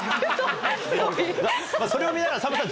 それを見ながらさんまさん